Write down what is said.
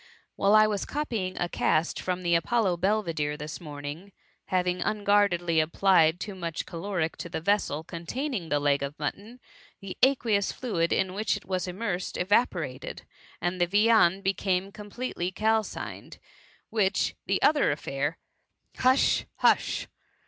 " Whilst I was copying a cast from the Apollo Belvidere this morning, having un guardedly applied too much caloric to the vessel containing the leg of mutton, the aqueous fluid in which it was immersed, evaporated, and the viand became completely calcined; whilst the other affair —""" Hush, hush